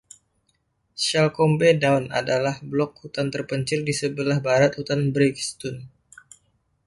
Shalcombe Down adalah blok hutan terpencil di sebelah barat Hutan Brighstone.